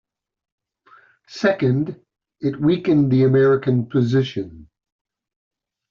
Second, it weakened the American position.